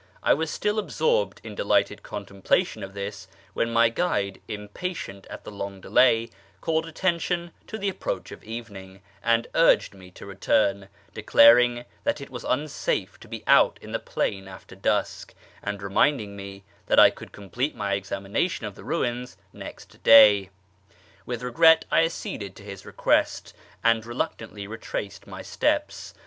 I was still absorbed in delighted contemplation of this, when my guide, impatient at the long delay, called attention to the approach of evening, and urged me to return, declaring that it was unsafe to be out in the plain after dusk, and reminding me that I could complete my examination of the ruins next day. With regret I acceded to his request, and reluctantly retraced my steps.